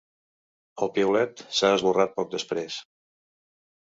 El piulet s’ha esborrat poc després.